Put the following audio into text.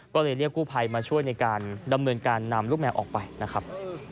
ก็เลยเรียกกู้ภัยมาช่วยในการดำเนินการนำลูกแมวออกไปนะครับ